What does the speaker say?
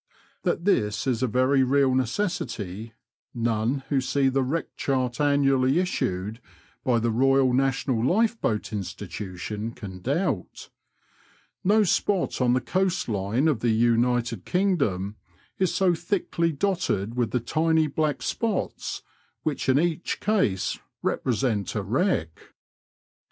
That this is a very real necessity, none who see the Wreck Chart annually issued by the Eoyal National Lifeboat Institution can doubt. No spot on the coast line of the United Kingdom is so thickly dotted with the tiny black spots, which in each case represent a wreck.